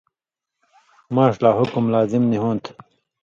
ماݜ لا حکم لازِم نی ہوں تھہ۔